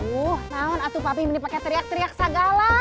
aduh naon atuh pabing mending pake teriak teriak segala